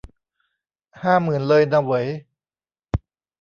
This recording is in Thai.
ห้าหมื่นเลยนาเหวย